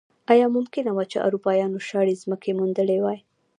ایا ممکنه وه چې اروپایانو شاړې ځمکې موندلی وای.